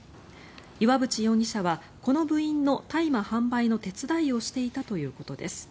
岩渕容疑者はこの部員の大麻販売の手伝いをしていたということです。